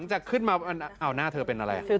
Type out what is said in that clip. หน้าเธอเป็นอะไร